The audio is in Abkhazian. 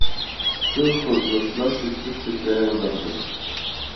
Сызқәа днас-насит сышьҭахь иааиуаз арԥыс.